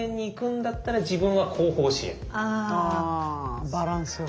あバランスよく。